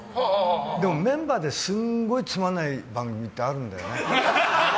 でも、メンバーですごいつまらない番組ってあるんだよね。